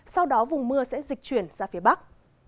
sau đó vùng mưa sẽ dịch chuyển ra phía bắc